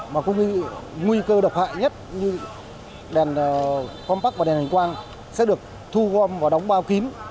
mà có nguy cơ độc hại nhất như đèn compact và đèn hành quang sẽ được thu gom và đóng bao kím